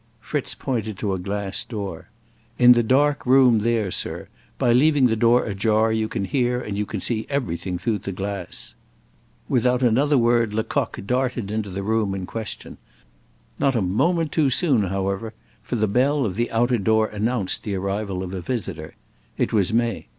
Fritz pointed to a glass door. "In the dark room there, sir. By leaving the door ajar you can hear and you can see everything through the glass." Without another word Lecoq darted into the room in question. Not a moment too soon, however, for the bell of the outer door announced the arrival of a visitor. It was May.